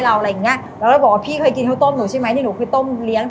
แล้วบอกว่าพี่เคยกินข้าวต้มหนูใช่ไหมนี่หนูเคยต้มเลี้ยง